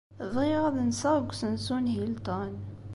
Bɣiɣ ad nseɣ deg usensu n Hilton.